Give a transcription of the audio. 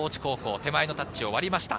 手前のタッチを割りました。